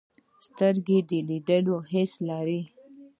سترګې د لیدلو حس لري